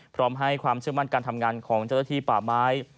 พร้อมให้ความเชื่อมั่นการทำงานของเจ้าหน้าที่ป่าไม้